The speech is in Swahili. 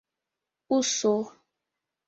uso